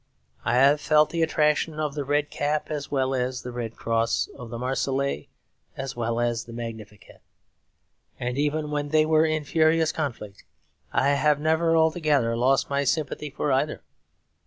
I have felt the attraction of the red cap as well as the red cross, of the Marseillaise as well as the Magnificat. And even when they were in furious conflict I have never altogether lost my sympathy for either.